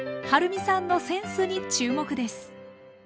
はるみさんのセンスに注目です！